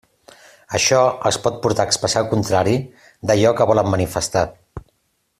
Això els pot portar a expressar el contrari d'allò que volen manifestar.